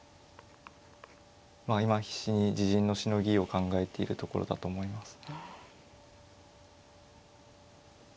まあ今必死に自陣のしのぎを考えているところだと思います。